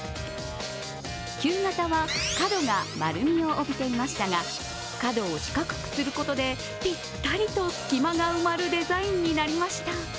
旧型は角が丸みを帯びていましたが、角を四角くすることでピッタリと隙間が埋まるデザインになりました。